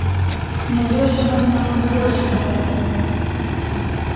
Няўжо ж яна змагла двойчы прадаць яго?